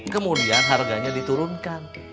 kemudian harganya diturunkan